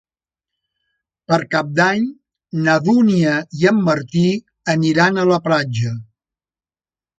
Per Cap d'Any na Dúnia i en Martí aniran a la platja.